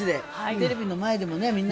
テレビの前でも応援をみんな。